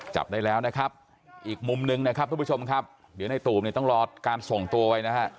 จับได้แล้วนะครับอีกมุมหนึ่งนะครับทุกผู้ชมครับเดี๋ยวในตูบเนี่ยต้องรอการส่งตัวไว้นะฮะ